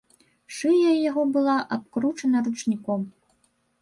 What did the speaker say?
Шыя яго была абкручана ручніком.